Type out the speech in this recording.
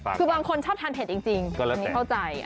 คือบางคนชอบทานเผ็ดจริงจริงจริงเข้าใจ